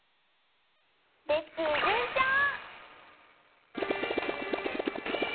レスキューじゅんちょう！